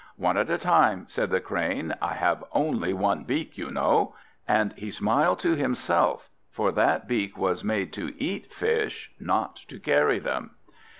"One at a time!" said the Crane. "I have only one beak, you know!" And he smiled to himself, for that beak was made to eat fish, not to carry them.